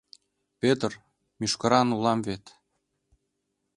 — Пӧтыр, мӱшкыран улам вет...